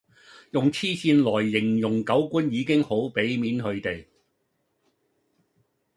用痴線來形容狗官已經好比面佢地